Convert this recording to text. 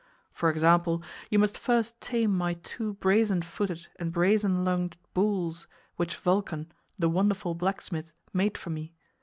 For example, you must first tame my two brazen footed and brazen lunged bulls, which Vulcan, the wonderful blacksmith, made for me.